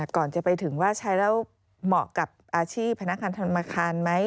ก่อนจะไปถึงว่าใช้แล้วเหมาะกับอาชีพพนักงานธนาคารไหม